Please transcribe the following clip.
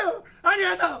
ありがとう！